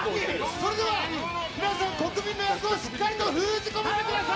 それでは、皆さん、国民の厄をしっかりと封じ込めてください。